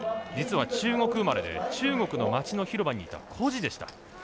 実は中国生まれで中国の町の広場にいた孤児でした。